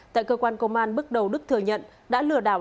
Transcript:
tại cơ quan công an bước đầu đức thừa nhận đã lừa đảo